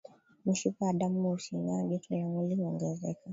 Mishipa ya damu husinyaa Joto la mwili huongezeka